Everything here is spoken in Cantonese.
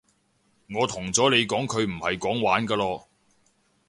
我同咗你講佢唔係講玩㗎囉